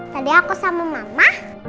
tadi aku sama mama